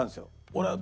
「俺は」